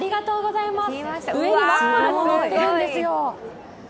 上にワッフルものってるんですよ。